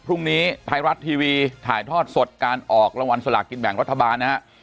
พรุ่งนี้ไทยรัฐทีวีถ่ายทอดสดการออกรางวัลสลากกินแบ่งรัฐบาลนะฮะ